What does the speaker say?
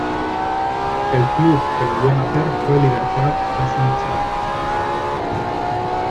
El club que lo vio nacer fue Libertad de Sunchales.